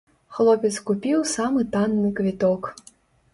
Хлопец купіў самы танны квіток.